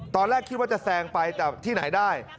ตอนแรกคิดว่าจะแซงไปแต่ที่ไหนได้